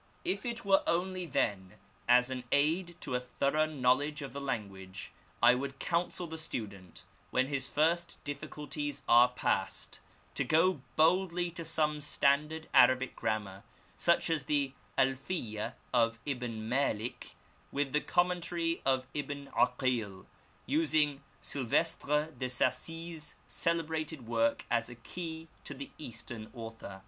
If it were only, then, as an aid to a thorough knowledge of the language, I would counsel the student, when his first difficulties are past, to go boldly to some standard Arabic grammar, such as the Alfiyeh of Ibn Malik with the commentary of Ibn 'Akil, using Silvestre De Sacy's celebrated work as a key to the Eastern author.